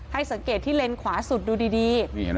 ให้สังเกตที่เลนขวาสุดดูดี